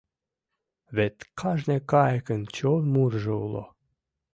Вет кажне кайыкын чон мурыжо уло.